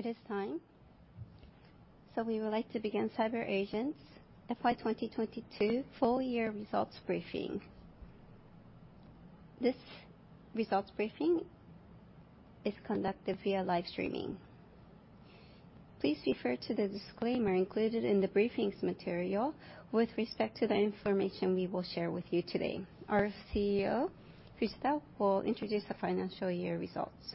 It is time. We would like to begin CyberAgent's FY 2022 full year results briefing. This results briefing is conducted via live streaming. Please refer to the disclaimer included in the briefing's material with respect to the information we will share with you today. Our CEO, Fujita, will introduce the financial year results.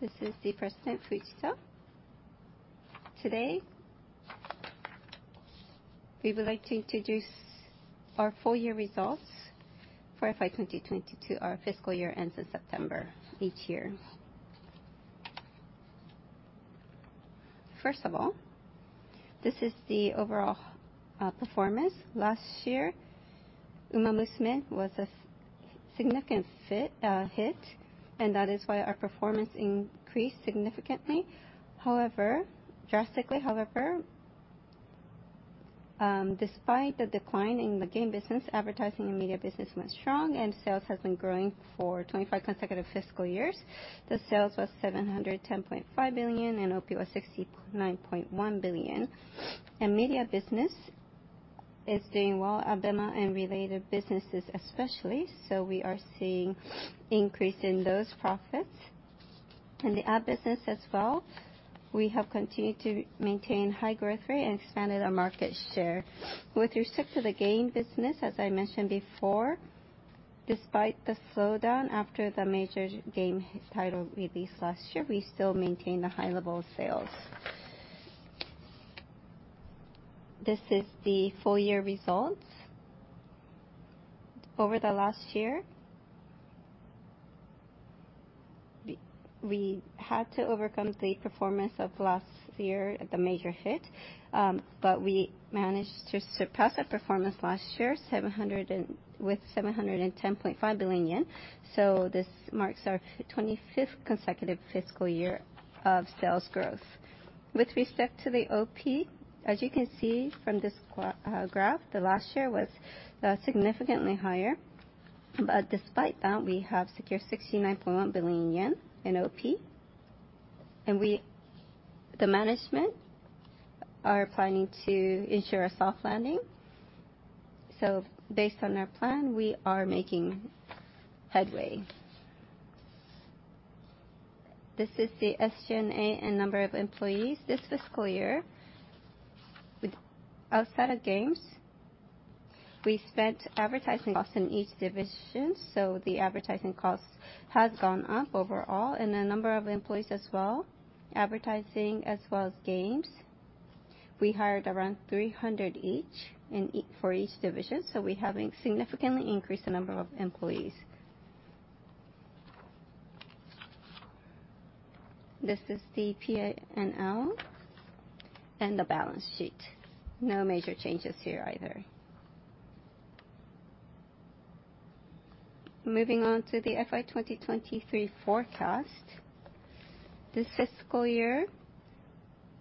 This is the president, Fujita. Today, we would like to introduce our full year results for FY 2022. Our fiscal year ends in September each year. First of all, this is the overall performance. Last year, Umamusume was a significant hit, and that is why our performance increased significantly. However, despite the decline in the game business, advertising and media business went strong, and sales has been growing for 25 consecutive fiscal years. Sales was 710.5 billion and OP was 69.1 billion. Media business is doing well, ABEMA and related businesses especially, so we are seeing increase in those profits. In the ad business as well, we have continued to maintain high growth rate and expanded our market share. With respect to the game business, as I mentioned before, despite the slowdown after the major game title release last year, we still maintain a high level of sales. This is the full year results. Over the last year, we had to overcome the performance of last year, the major hit, but we managed to surpass that performance last year, with 710.5 billion yen. This marks our 25th consecutive fiscal year of sales growth. With respect to the OP, as you can see from this graph, the last year was significantly higher. Despite that, we have secured 69.1 billion yen in OP. We, the management are planning to ensure a soft landing. Based on our plan, we are making headway. This is the SG&A and number of employees. This fiscal year, with outside of games, we spent advertising costs in each division, so the advertising costs has gone up overall. The number of employees as well, advertising as well as games, we hired around 300 each for each division, so we have significantly increased the number of employees. This is the P&L and the balance sheet. No major changes here either. Moving on to the FY 2023 forecast. This fiscal year,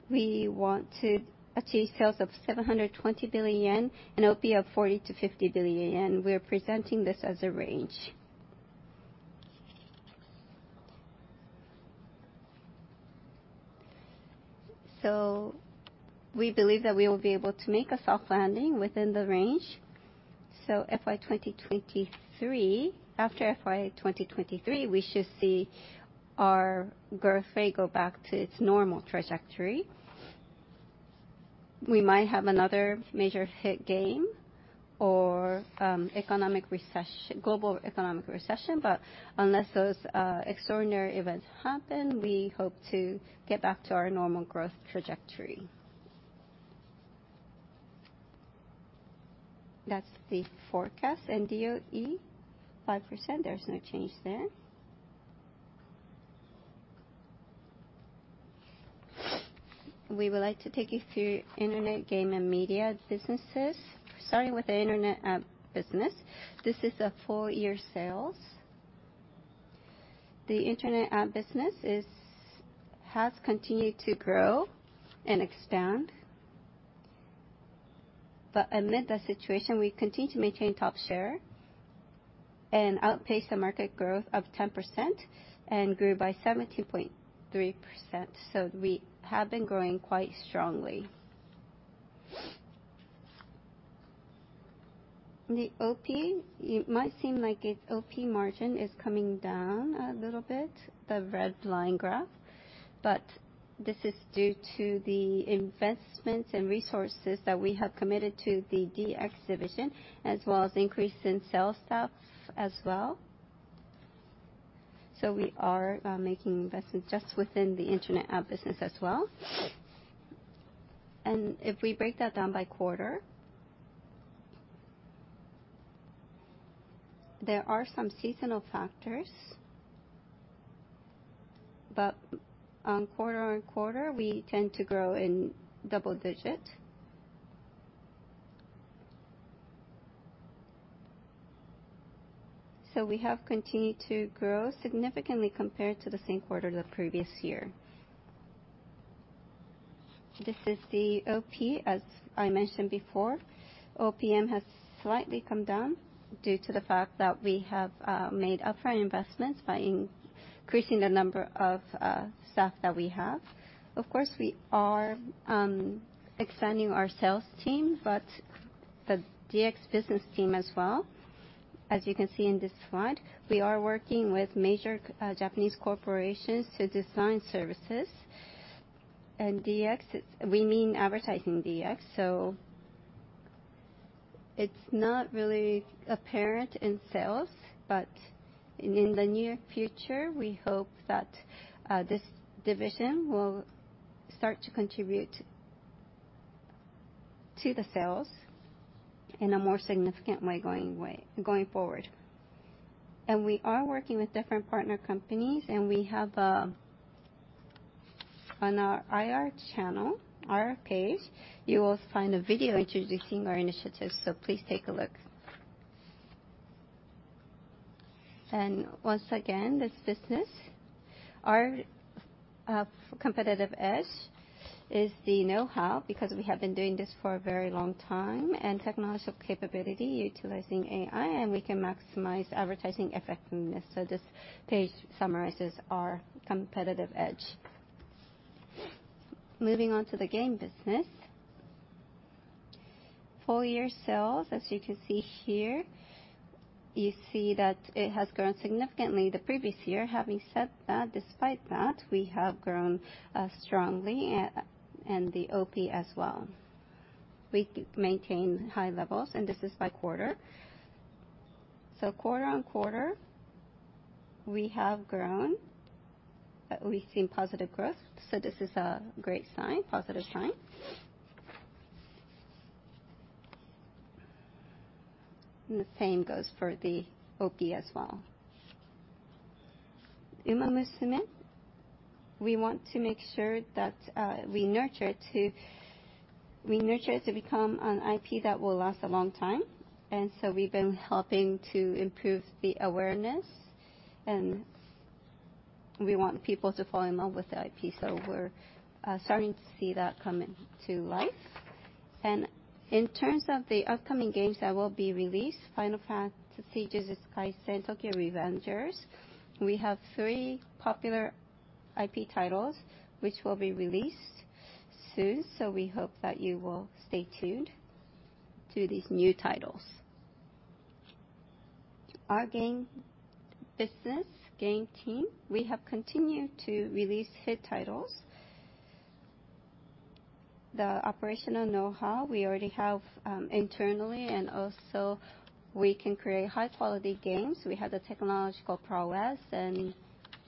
we want to achieve sales of 720 billion yen and OP of 40 billion-50 billion yen. We are presenting this as a range. We believe that we will be able to make a soft landing within the range. FY 2023, after FY 2023, we should see our growth rate go back to its normal trajectory. We might have another major hit game or global economic recession. Unless those extraordinary events happen, we hope to get back to our normal growth trajectory. That's the forecast and DOE 5%, there's no change there. We would like to take you through Internet, game, and media businesses. Starting with the Internet business. This is the full-year sales. The Internet business has continued to grow and expand. Amid the situation, we continue to maintain top share and outpace the market growth of 10% and grew by 17.3%, so we have been growing quite strongly. The OP, it might seem like its OP margin is coming down a little bit, the red line graph. This is due to the investments and resources that we have committed to the DX division as well as increase in sales staff as well. We are making investments just within the internet app business as well. If we break that down by quarter, there are some seasonal factors, but on quarter-on-quarter, we tend to grow in double digit. We have continued to grow significantly compared to the same quarter the previous year. This is the OP, as I mentioned before. OPM has slightly come down due to the fact that we have made upfront investments by increasing the number of staff that we have. Of course, we are extending our sales team, but the DX business team as well. As you can see in this slide, we are working with major Japanese corporations to design services. DX is. We mean advertising DX. It's not really apparent in sales, but in the near future, we hope that this division will start to contribute to the sales in a more significant way going forward. We are working with different partner companies, and we have a. On our IR channel, IR page, you will find a video introducing our initiatives. Please take a look. Once again, this business. Our competitive edge is the know-how, because we have been doing this for a very long time, and technological capability utilizing AI, and we can maximize advertising effectiveness. This page summarizes our competitive edge. Moving on to the game business. Full year sales, as you can see here, you see that it has grown significantly the previous year. Having said that, despite that, we have grown strongly and the OP as well. We maintain high levels, and this is by quarter. Quarter on quarter, we have grown. We've seen positive growth, so this is a great sign, positive sign. The same goes for the OP as well. Umamusume, we want to make sure that we nurture it to become an IP that will last a long time. We've been helping to improve the awareness, and we want people to fall in love with the IP. We're starting to see that come into life. In terms of the upcoming games that will be released, Final Fantasy, Jujutsu Kaisen, Tokyo Revengers. We have three popular IP titles which will be released soon. We hope that you will stay tuned to these new titles. Our game business, game team, we have continued to release hit titles. The operational know-how we already have internally, and also we can create high quality games. We have the technological prowess and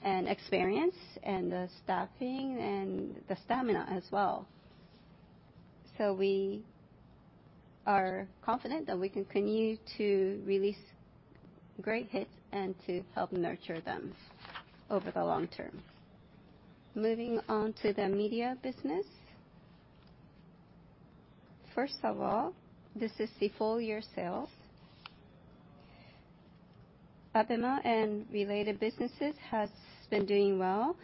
experience, and the staffing, and the stamina as well. We are confident that we can continue to release great hits and to help nurture them over the long term. Moving on to the media business. First of all, this is the full year sales. ABEMA and related businesses has been doing well,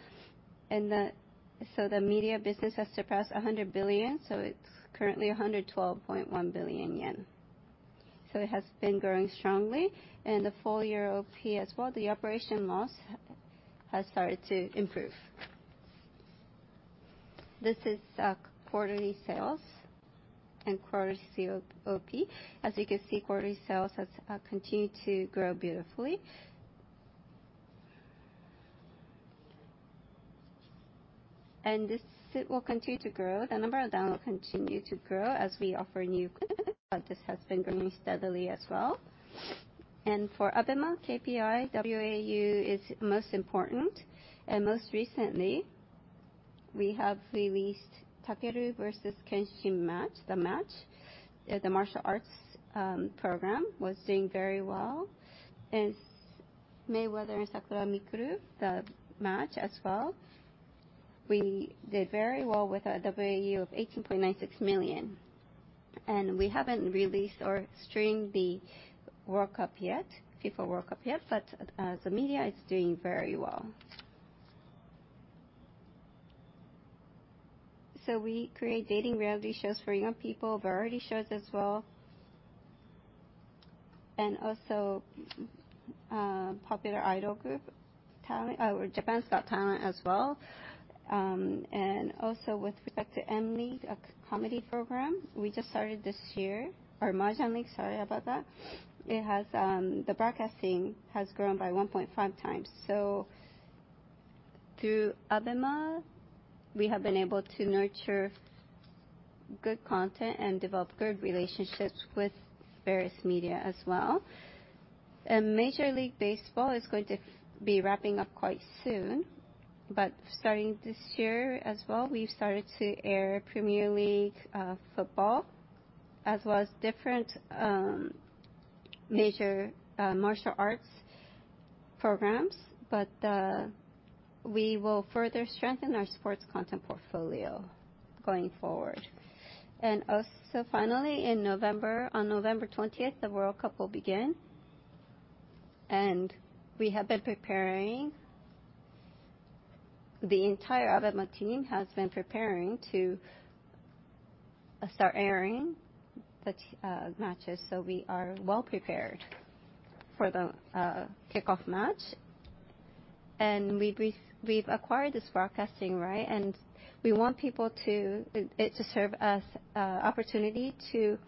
and the media business has surpassed 100 billion, so it's currently 112.1 billion yen. It has been growing strongly. The full year OP as well, the operating loss has started to improve. This is quarterly sales and quarterly OP. As you can see, quarterly sales has continued to grow beautifully. This, it will continue to grow. The number of downloads will continue to grow as we offer new content. This has been growing steadily as well. For ABEMA KPI, WAU is most important. Most recently, we have released Takeru versus Tenshin match. The martial arts program was doing very well. Mayweather and Mikuru Asakura, the match as well, we did very well with a WAU of 18.96 million. We haven't released or streamed the World Cup yet, FIFA World Cup yet, but the media is doing very well. We create dating reality shows for young people, variety shows as well, and also popular idol group talent or Japan's Got Talent as well. With respect to M.League, a comedy program we just started this year. Mahjong League, sorry about that. It has. The broadcasting has grown by 1.5x. Through ABEMA, we have been able to nurture good content and develop good relationships with various media as well. Major League Baseball is going to be wrapping up quite soon. Starting this year as well, we've started to air Premier League football, as well as different major martial arts programs. We will further strengthen our sports content portfolio going forward. Also, finally, in November, on November twentieth, the World Cup will begin. We have been preparing. The entire ABEMA team has been preparing to start airing the matches. We are well prepared for the kickoff match. We've acquired this broadcasting right, and we want it to serve as opportunity to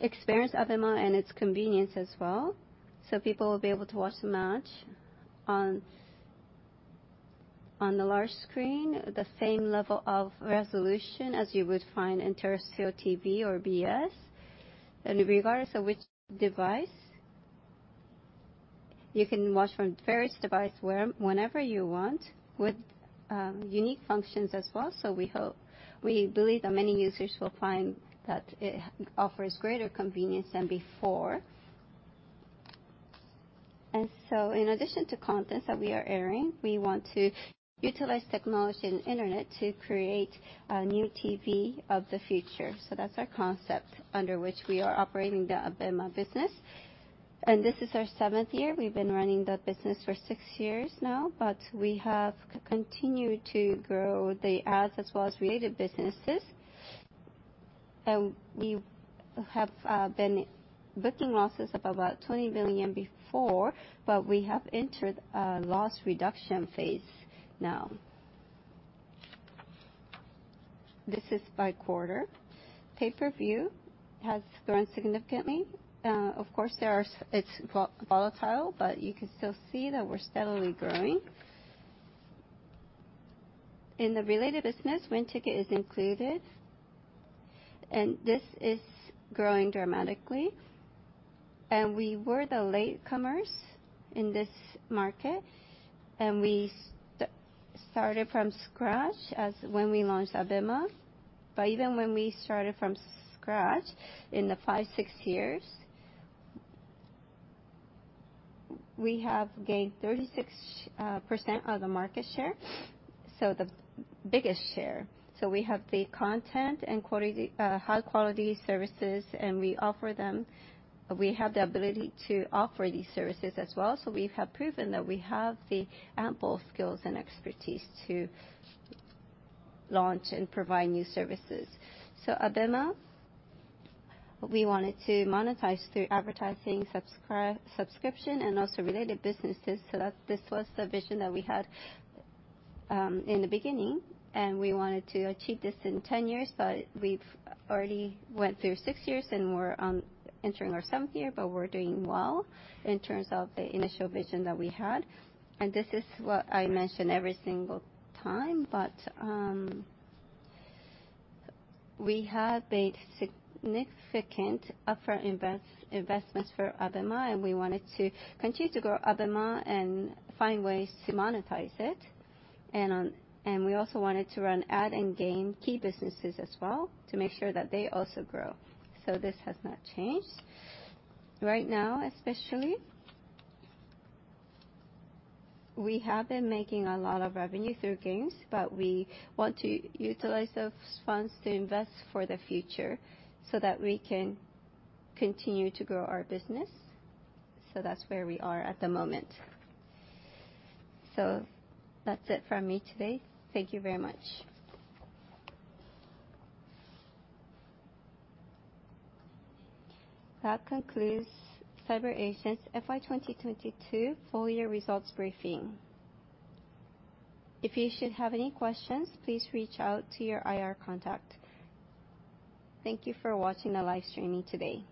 experience ABEMA and its convenience as well. People will be able to watch the match on the large screen, the same level of resolution as you would find in terrestrial TV or BS. Regardless of which device, you can watch from various device whenever you want with unique functions as well. We believe that many users will find that it offers greater convenience than before. In addition to contents that we are airing, we want to utilize technology and internet to create a new TV of the future. That's our concept under which we are operating the ABEMA business. This is our seventh year. We've been running the business for six years now, but we have continued to grow the ads as well as related businesses. We have been booking losses of about 20 billion before, but we have entered a loss reduction phase now. This is by quarter. Pay-per-view has grown significantly. Of course, there are—It's volatile, but you can still see that we're steadily growing. In the related business, WINTICKET is included, and this is growing dramatically. We were the latecomers in this market, and we started from scratch as when we launched ABEMA. Even when we started from scratch in the five, six years, we have gained 36% of the market share, so the biggest share. We have the content and quality, high-quality services, and we offer them. We have the ability to offer these services as well. We have proven that we have the ample skills and expertise to launch and provide new services. ABEMA, we wanted to monetize through advertising, subscription, and also related businesses. That this was the vision that we had in the beginning, and we wanted to achieve this in 10 years, but we've already went through six years, and we're entering our seventh year. We're doing well in terms of the initial vision that we had. This is what I mention every single time, but we have made significant upfront investments for ABEMA, and we wanted to continue to grow ABEMA and find ways to monetize it. We also wanted to run ad and game key businesses as well to make sure that they also grow. This has not changed. Right now, especially, we have been making a lot of revenue through games, but we want to utilize those funds to invest for the future so that we can continue to grow our business. That's where we are at the moment. That's it from me today. Thank you very much. That concludes CyberAgent's FY 2022 full year results briefing. If you should have any questions, please reach out to your IR contact. Thank you for watching the live streaming today.